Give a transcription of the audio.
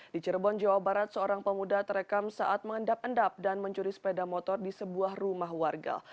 di cirebon jawa barat seorang pemuda terekam saat mengendap endap dan mencuri sepeda motor di sebuah rumah warga